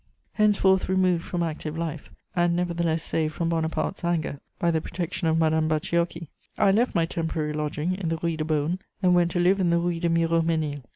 Henceforth removed from active life, and nevertheless saved from Bonaparte's anger by the protection of Madame Bacciochi, I left my temporary lodging in the Rue de Beaune and went to live in the Rue de Miromesnil.